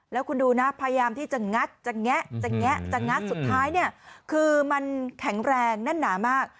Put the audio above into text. แล้วคุณดูนะพยายามที่จะงัดจะแงะจะแงะจะงัดสุดท้ายเนี่ยคือมันแข็งแรงแน่นหนามาก